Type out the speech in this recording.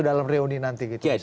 dalam reuni nanti gitu